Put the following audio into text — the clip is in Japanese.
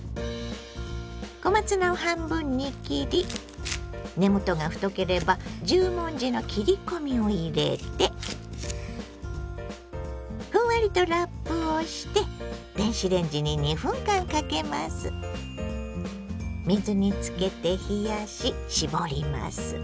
小松菜を半分に切り根元が太ければ十文字の切り込みを入れてふんわりとラップをして水につけて冷やし絞ります。